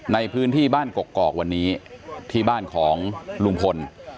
ในพื้นที่บ้านกกอกวันนี้ที่บ้านของลุงพล